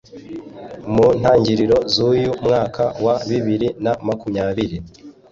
mu ntangiriro z'uyu mwaka wa bibiri na makumyabiri